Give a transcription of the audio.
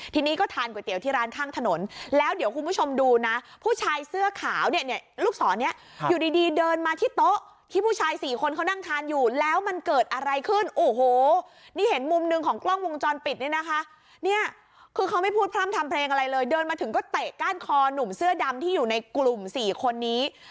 ทีนี้ก็ทานก๋วยเตี๋ยวที่ร้านข้างถนนแล้วเดี๋ยวคุณผู้ชมดูนะผู้ชายเสื้อขาวเนี่ยเนี่ยลูกศรเนี่ยอยู่ดีดีเดินมาที่โต๊ะที่ผู้ชายสี่คนเขานั่งทานอยู่แล้วมันเกิดอะไรขึ้นโอ้โหนี่เห็นมุมหนึ่งของกล้องวงจรปิดเนี่ยนะคะเนี่ยคือเขาไม่พูดพร่ำทำเพลงอะไรเลยเดินมาถึงก็เตะก้านคอหนุ่มเสื้อดำที่อยู่ในกลุ่มสี่คนนี้